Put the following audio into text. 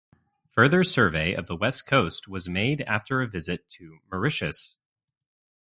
Further survey of the west coast was made after a visit to Mauritius.